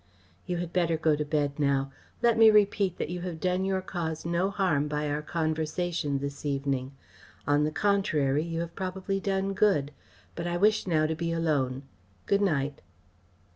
You had better go to bed now. Let me repeat that you have done your cause no harm by our conversation this evening. On the contrary, you have probably done good, but I wish now to be alone. Good night!"